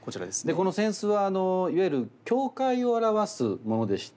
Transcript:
この扇子はいわゆる境界を表すものでして。